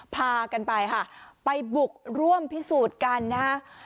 พากันไปค่ะไปบุกร่วมพิสูจน์กันนะฮะ